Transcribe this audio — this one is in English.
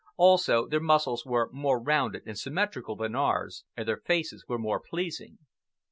Also, their muscles were more rounded and symmetrical than ours, and their faces were more pleasing.